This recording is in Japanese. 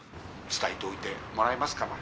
伝えておいてもらえますかな。